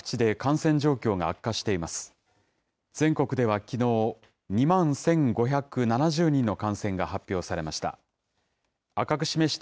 全国ではきのう、２万１５７０人の感染が発表されました。